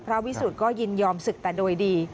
วิสุทธิ์ก็ยินยอมศึกแต่โดยดี